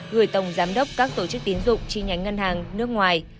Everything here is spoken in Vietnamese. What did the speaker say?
gửi tổng giám đốc các tổ chức tín dụng chi nhánh ngân hàng nước ngoài